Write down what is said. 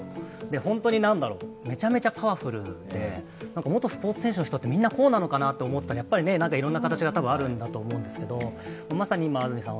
本当にめちゃめちゃパワフルで、元スポーツ選手ってみんなこうなのかなと思ったらやっぱりいろんな形があるのかと思うんですけど。